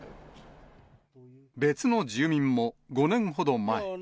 別の住民も５年ほど前。